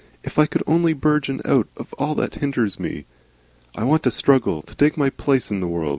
If I could only burgeon out of all that hinders me! I want to struggle, to take my place in the world.